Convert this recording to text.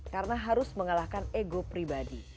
karena harus mengalahkan ego pribadi